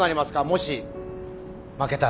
もし負けたら。